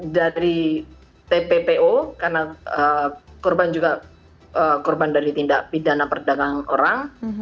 dari tppo karena korban juga korban dari tindak pidana perdagangan orang